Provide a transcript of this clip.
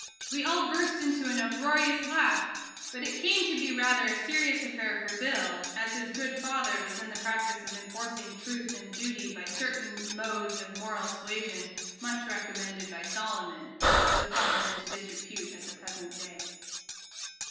We all burst into an uproarious laugh. But it came to be rather a serious affair for Bill, as his good father was in the practice of enforcing truth and duty by certain modes of moral suasion much recommended by Solomon, though fallen into disrepute at the present day.